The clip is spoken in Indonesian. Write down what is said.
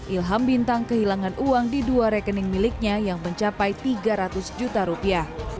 ilham bintang kehilangan uang di dua rekening miliknya yang mencapai tiga ratus juta rupiah